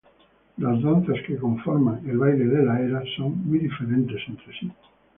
Las danzas que conforman el Baile de la Era son muy diferentes entre sí.